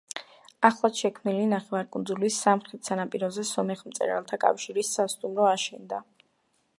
ახლადშექმნილი ნახევარკუნძულის სამხრეთ სანაპიროზე სომეხ მწერალთა კავშირის სასტუმრო აშენდა.